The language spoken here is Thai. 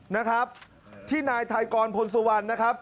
นะครับที่นายไทยกรพลสุวรรณนะครับ